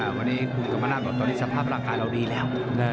วันนี้คุณกรรมนาศบอกตอนนี้สภาพร่างกายเราดีแล้ว